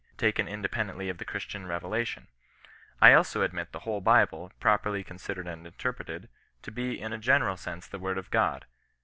taken inde pendently of the Christian revelation. I also admit the 48 CHEISTIAN NOK EESISTANCB. whole Bible, properly considered and interpreted, to be in a general sense the word of God.